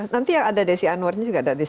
nanti yang ada desi anwar juga ada disini